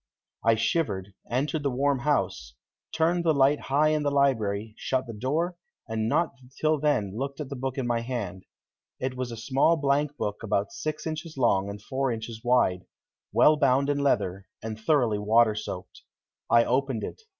I shivered, entered the warm house, turned the light high in the library, shut the door, and not till then looked at the book in my hand. It was a small blankbook about six inches long and four inches wide, well bound in leather and thoroughly water soaked. I opened it.